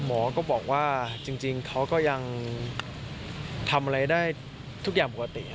หมอก็บอกว่าจริงเขาก็ยังทำอะไรได้ทุกอย่างปกติ